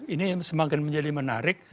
ini semakin menjadi menarik